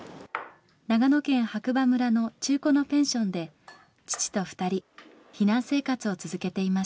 長野県白馬村の中古のペンションで父と２人避難生活を続けていました。